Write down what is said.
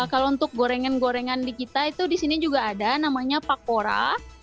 kalau untuk gorengan gorengan di kita itu di sini juga ada namanya pakora